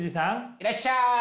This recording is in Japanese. いらっしゃい。